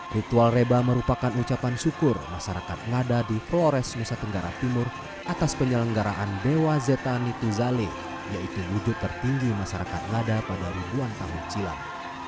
ritual reba merupakan ucapan syukur masyarakat ngada di flores nusa tenggara timur atas penyelenggaraan dewa zeta nitizale yaitu wujud tertinggi masyarakat ngada pada ribuan tahun silam